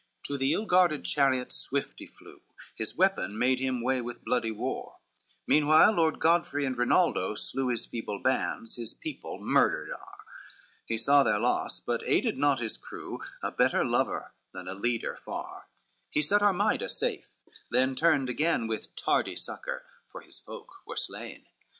LXX To the ill guarded chariot swift he flew, His weapon made him way with bloody war: Meanwhile Lord Godfrey and Rinaldo slew His feeble bands, his people murdered are, He saw their loss, but aided not his crew, A better lover than a leader far, He set Armida safe, then turned again With tardy succor, for his folk were slain.